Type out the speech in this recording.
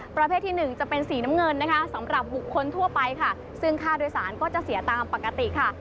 ประเภทที่หนึ่งจะเป็นสีน้ำเงินนะคะสำหรับบุคคลทั่วไปค่ะซึ่งค่าโดยสารก็จะเสียตามปกติค่ะ